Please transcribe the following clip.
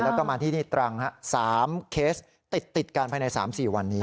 แล้วก็มาที่นี่ตรัง๓เคสติดกันภายใน๓๔วันนี้